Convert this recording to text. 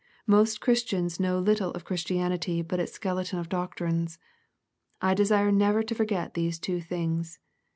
Most of Christians know little of Christi anity but its skeleton of doctrines. I desire never to forget these two things.